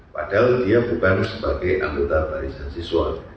padahal dia bukan sebagai anggota barisan siswa